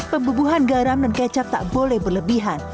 pembubuhan garam dan kecap tak boleh berlebihan